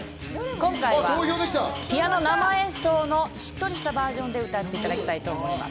今回はピアノ生演奏のしっとりしたバージョンで歌っていただきたいと思います。